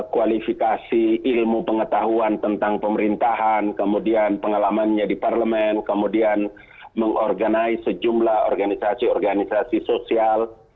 kualifikasi ilmu pengetahuan tentang pemerintahan kemudian pengalamannya di parlemen kemudian mengorganize sejumlah organisasi organisasi sosial